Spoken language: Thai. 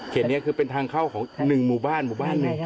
นี้คือเป็นทางเข้าของ๑หมู่บ้านหมู่บ้านหนึ่ง